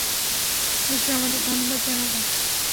বিশ্ব আমাদের ধন্যবাদ জানাবে।